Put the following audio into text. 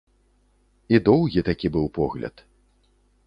І доўгі такі быў погляд.